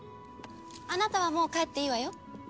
あなたはもう帰っていいわよ。